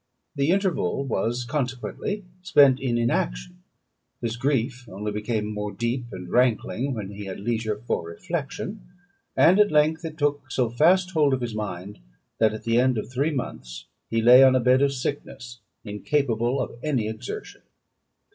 The interval was, consequently, spent in inaction; his grief only became more deep and rankling, when he had leisure for reflection; and at length it took so fast hold of his mind, that at the end of three months he lay on a bed of sickness, incapable of any exertion.